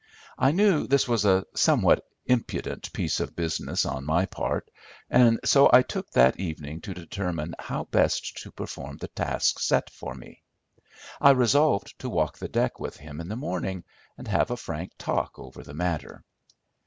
I knew this was a somewhat impudent piece of business on my part, and so I took that evening to determine how best to perform the task set for me. I resolved to walk the deck with him in the morning, and have a frank talk over the matter.